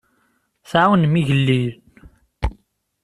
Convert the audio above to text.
Tɛawnem igellilen.